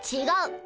違う。